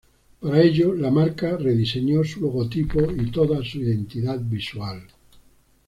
Para ello, la marca rediseñó su logotipo y toda su identidad visual.